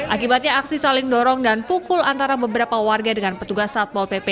akibatnya aksi saling dorong dan pukul antara beberapa warga dengan petugas satpol pp